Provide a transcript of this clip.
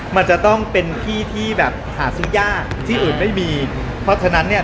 มันจะต้องเป็นที่ที่แบบหาซื้อยากที่อื่นไม่มีเพราะฉะนั้นเนี่ย